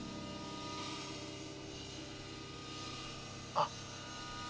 あっ。